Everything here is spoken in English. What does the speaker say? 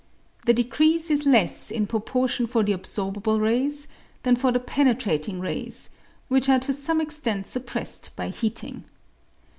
The decrease is less in proportion for the absorbable rays than for the penetrating rays, which are to some extent suppressed by heating.